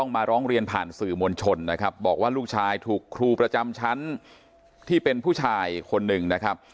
มาร้องเรียนผ่านสื่อมวลชนนะครับบอกว่าลูกชายถูกครูประจำชั้นที่เป็นผู้ชายคนหนึ่งนะครับ